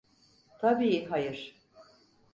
Tabii hayır.